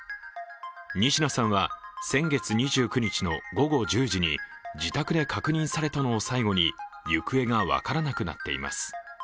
仁科さんは先月２９日の午後１０時に自宅で確認されたのを最後に行方が分からなくなっています。